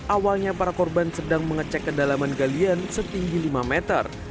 awalnya para korban sedang mengecek kedalaman galian setinggi lima meter